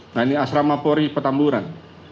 nah ini asrama pori petamburan